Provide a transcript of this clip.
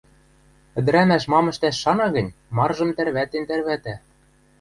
Ӹдӹрӓмӓш мам ӹштӓш шана гӹнь, марыжым тӓрвӓтен-тӓрвӓтӓ.